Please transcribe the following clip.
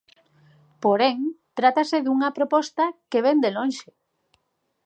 Porén, trátase dunha proposta que vén de lonxe.